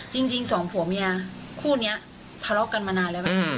จริงสองผัวเมียคู่นี้ทะเลาะกันมานานแล้วไหม